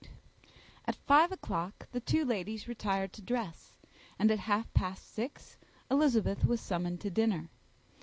At five o'clock the two ladies retired to dress, and at half past six Elizabeth was summoned to dinner.